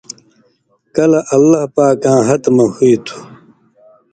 کلہۡ اللہ پاکاں ہتہۡ مہ ہُوئ تُھو،